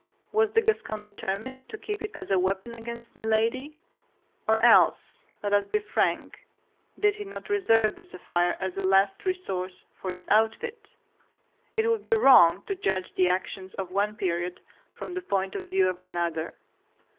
Was the Gascon determined to keep it as a weapon against Milady, or else, let us be frank, did he not reserve the sapphire as a last resource for his outfit? It would be wrong to judge the actions of one period from the point of view of another.